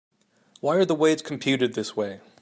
Why are the weights computed this way?